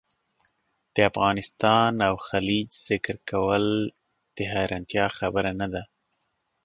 د افغان او خلج ذکرول د حیرانتیا خبره نه ده.